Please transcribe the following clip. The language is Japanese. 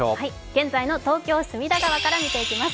現在の東京・隅田川から見ていきます。